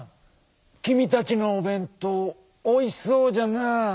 きみたちのおべんとうおいしそうじゃな。